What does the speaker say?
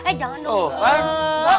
eh jangan dong